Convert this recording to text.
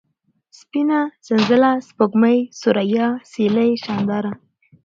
سپينه ، سنځله ، سپوږمۍ ، سوریا ، سېلۍ ، شانداره